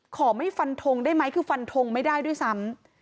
ขอไม่ฟันทงได้ไหมคือฟันทงไม่ได้ด้วยซ้ำ